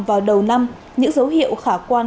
vào đầu năm những dấu hiệu khả quan